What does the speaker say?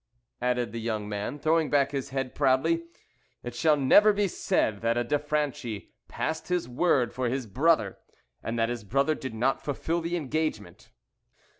added the young man, throwing back his head proudly; "it shall never be said that a de Franchi passed his word for his brother, and that his brother did not fulfil the engagement."